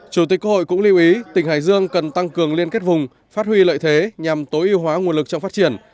chủ tịch quốc hội cũng lưu ý tỉnh hải dương cần tăng cường liên kết vùng phát huy lợi thế nhằm tối ưu hóa nguồn lực trong phát triển